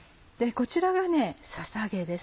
こちらがささげです。